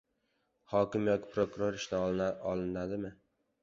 Hokim yoki prokuror ishdan olinadimi?